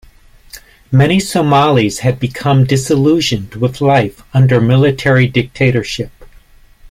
Many Somalis had become disillusioned with life under military dictatorship.